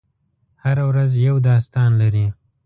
هره ورځ یو داستان لري.